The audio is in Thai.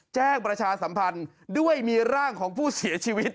ประชาสัมพันธ์ด้วยมีร่างของผู้เสียชีวิต